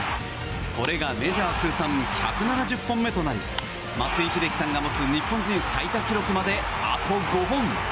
これがメジャー通算１７０本目となり松井秀喜さんが持つ日本人最多記録まであと５本。